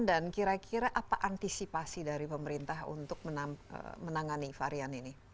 dan kira kira apa antisipasi dari pemerintah untuk menangani varian ini